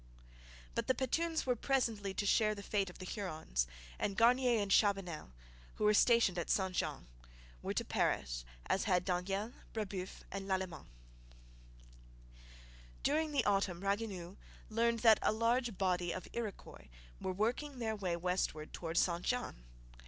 But the Petuns were presently to share the fate of the Hurons; and Garnier and Chabanel, who were stationed at St Jean, were to perish as had Daniel, Brebeuf, and Lalemant. During the autumn Ragueneau learned that a large body of Iroquois were working their way westward towards St Jean.